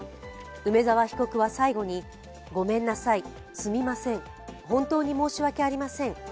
梅沢被告は最後に、ごめんなさい、すみません、本当に申し訳ありません